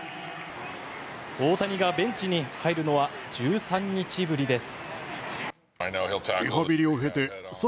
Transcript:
大谷がベンチに入るのは１３日ぶりです。